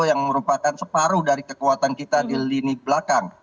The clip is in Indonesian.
yang merupakan separuh dari kekuatan kita di lini belakang